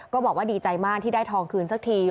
บอกว่าดีใจมากที่ได้ทองคืนสักที